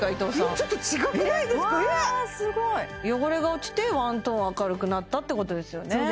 ちょっと違くないですかえっ汚れが落ちてワントーン明るくなったってことですよね